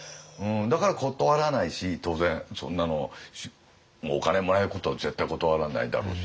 だから断らないし当然そんなのお金もらえることを絶対断らないだろうしね。